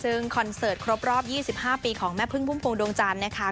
ซึ่งคอนเสิร์ตครบรอบยี่สิบห้าปีของแม่พึ่งพวงดวงจานนะคะ